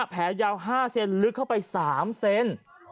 แผลยาว๕เซนลึกเข้าไป๓เซน